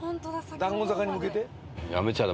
談合坂に向けて？